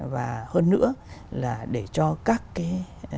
và hơn nữa là để cho các cái